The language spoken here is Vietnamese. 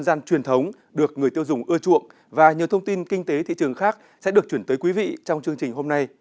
và nhiều thông tin kinh tế thị trường khác sẽ được chuyển tới quý vị trong chương trình hôm nay